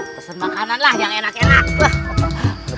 doni makan yang enak enak